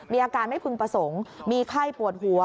มีอาการไม่พึงประสงค์มีไข้ปวดหัว